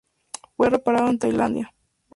Fue reparado en Tailandia.